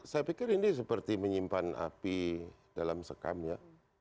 saya pikir ini seperti menyimpan api dalam sekam ya